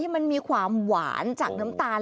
มันมีความหวานจากน้ำตาล